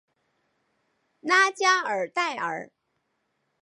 拉加尔代尔。